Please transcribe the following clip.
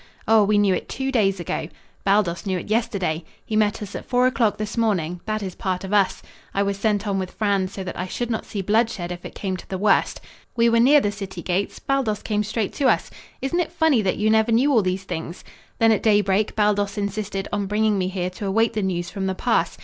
Oh, we knew it two days ago. Baldos knew it yesterday. He met us at four o'clock this morning; that is part of us. I was sent on with Franz so that I should not see bloodshed if it came to the worst. We were near the city gates Baldos came straight to us. Isn't it funny that you never knew all these things? Then at daybreak Baldos insisted on bringing me here to await the news from the pass.